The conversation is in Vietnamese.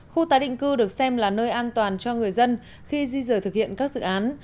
khu tái định cư được xem là nơi an toàn cho người dân khi di rời thực hiện các dự án